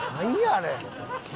あれ。